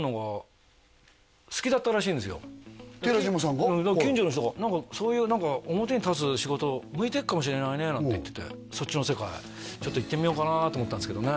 はいだから近所の人がそういう表に立つ仕事向いてるかもしれないねなんて言っててそっちの世界へ行ってみようかなと思ったんですけどね